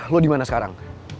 lo dimana sekarang